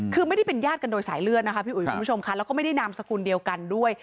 คือไม่ได้เป็นญาติกันโดยสายเลือดนะคะพี่อุ๋ยคุณผู้ชมค่ะแล้วก็ไม่ได้นามสกุลเดียวกันด้วย